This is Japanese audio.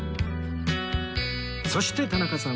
そして田中さん